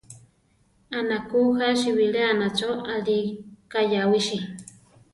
Anakú jási biléana cho alí kayawísi.